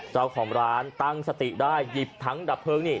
เจ้าของร้านตั้งสติได้หยิบทั้งดับเพลิงนี่